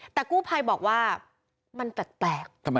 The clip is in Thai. แต่กู้ภัยบอกว่ามันแปลก